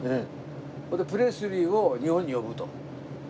それでプレスリーを日本に呼ぶと。